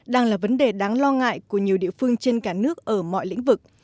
đang là vấn đề đáng lo ngại của nhiều địa phương trên cả nước ở mọi lĩnh vực